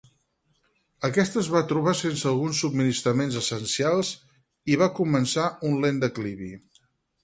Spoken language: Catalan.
Aquesta es va trobar sense alguns subministraments essencials i va començar un lent declivi.